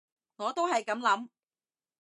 我都係噉諗